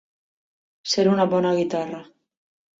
Ser una bona guitarra.